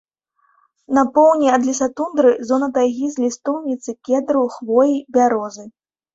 На поўдні ад лесатундры зона тайгі з лістоўніцы, кедру, хвоі, бярозы.